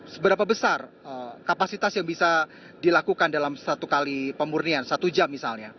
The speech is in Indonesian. seberapa besar kapasitas yang bisa dilakukan dalam satu kali pemurnian satu jam misalnya